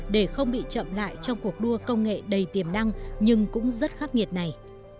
để không bị chậm lại trong cuộc đua công nghệ đầy tiềm năng nhưng cũng rất khắc nghiệt này